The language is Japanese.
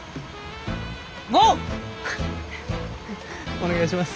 お願いします。